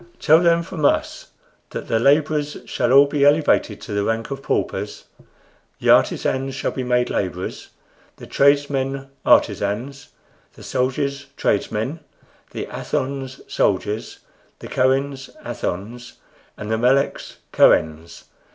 Tell them from us that the laborers shall all be elevated to the rank of paupers, the artisans shall be made laborers, the tradesmen artisans, the soldiers tradesmen, the Athons soldiers, the Kohens Athons, and the Meleks Kohens.